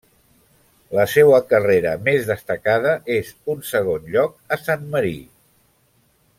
La seua carrera més destacada és un segon lloc a San Marino.